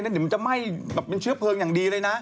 เดี๋ยวมันจะไหม้แบบเป็นเชื้อเพลิงอย่างดีเลยนะ